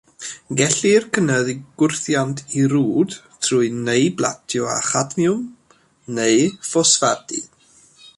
Gellir cynyddu gwrthiant i rwd trwy neu blatio â chadmiwm neu ffosffadu.